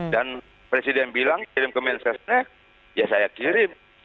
dan presiden bilang kirim ke mensesne ya saya kirim